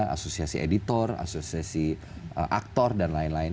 asosiasi editor asosiasi aktor dan lain lain